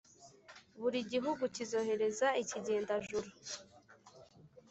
Buri gihugu kizohereza ikigendajuru